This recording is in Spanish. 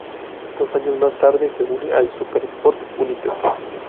Dos años más tarde se une al Supersport United.